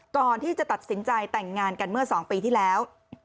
ก่อนที่จะตัดสินใจแต่งงานกันเมื่อ๒ปีที่แล้ว